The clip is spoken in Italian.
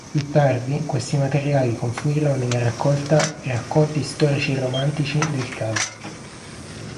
Più tardi questi materiali confluirono nella raccolta "Racconti storici e romantici del cav.